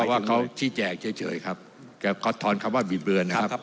เพราะว่าเขาที่แจกเฉยครับเขาถอนคำว่าบิดเบือนนะครับ